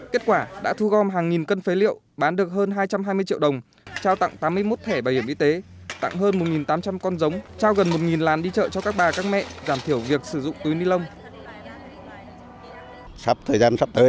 kết quả đã thu gom hàng nghìn cân phế liệu bán được hơn hai trăm hai mươi triệu đồng trao tặng tám mươi một thẻ bảo hiểm y tế tặng hơn một tám trăm linh con giống trao gần một làn đi chợ cho các bà các mẹ giảm thiểu việc sử dụng túi ni lông